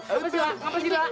apa sih lah apa sih lah